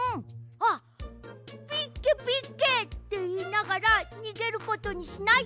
あっ「ピッケピッケ」っていいながらにげることにしない？